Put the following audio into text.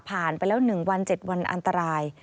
ไปแล้ว๑วัน๗วันอันตราย